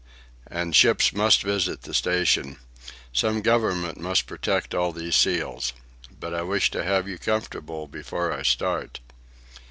And ships must visit the station. Some Government must protect all these seals. But I wish to have you comfortable before I start."